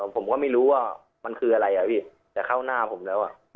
ผมก็ไม่รู้ว่ามันคืออะไรอ่ะพี่แต่เข้าหน้าผมแล้ว